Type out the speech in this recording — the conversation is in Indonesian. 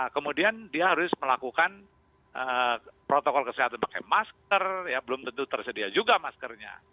kemudian dia harus melakukan protokol kesehatan pakai masker ya belum tentu tersedia juga maskernya